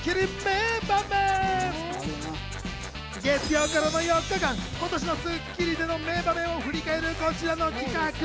月曜からの４日間今年の『スッキリ』での名場面を振り返るこちらの企画。